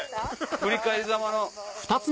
振り返りざまの。